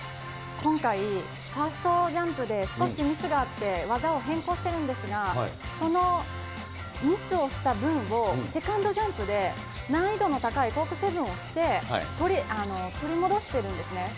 今回、ファーストジャンプで少しミスがあって、技を変更しているんですが、そのミスをした分を、セカンドジャンプで難易度の高いコークセブンをして、取り戻してるんですね。